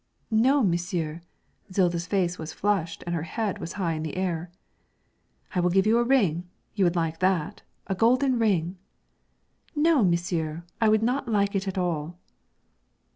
'No, monsieur.' Zilda's face was flushed and her head was high in the air. 'I will give you a ring; you would like that a golden ring.' 'No, monsieur; I would not like it at all.'